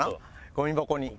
ゴミ箱に。